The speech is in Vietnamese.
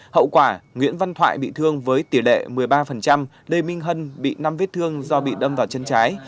hậu quả nguyễn văn thoại bị thương với tỷ lệ một mươi ba lê minh hân bị năm vết thương do bị đâm vào chân trái